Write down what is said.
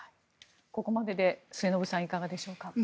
ここまでで、末延さんいかがでしょうか。